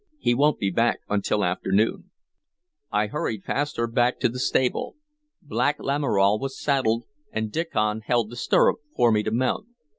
He won't be back until afternoon." I hurried past her back to the stable. Black Lamoral was saddled, and Diccon held the stirrup for me to mount.